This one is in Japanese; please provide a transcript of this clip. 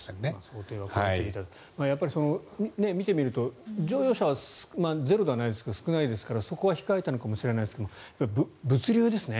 見てみると乗用車はゼロではないですけど少ないですがそこは控えたのかもしれませんけど物流ですね。